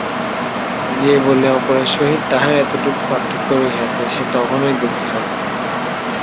যে বলে অপরের সহিত তাহার এতটুকু পার্থক্য রহিয়াছে, সে তখনই দুঃখী হয়।